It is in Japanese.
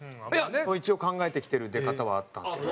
一応考えてきてる出方はあったんですけど。